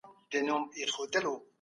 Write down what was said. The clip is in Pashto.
په نړۍ کي د سولي بیرغ پورته کړئ.